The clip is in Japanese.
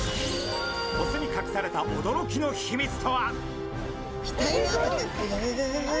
オスに隠された驚きの秘密とは？